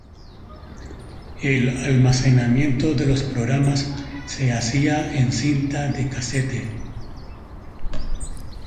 El almacenamiento de los programas se hacía en cinta de casete.